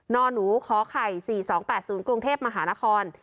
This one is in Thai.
นหนูขอไข่๔๒๘๐กรุงเทพมหานคร